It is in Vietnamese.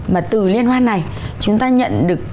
mà từ liên hoan này chúng ta nhận được